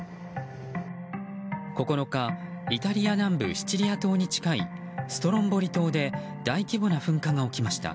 ９日イタリア南部シチリア島に近いストロンボリ島で大規模な噴火が起きました。